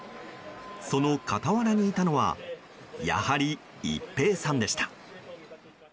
その傍らにいたのはやはり、一平さんでした。